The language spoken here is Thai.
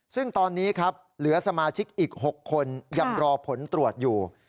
ซึ่งตอนนี้ครับเหลือสมาชิกอีก๖คนยังรอผลตรวจอยู่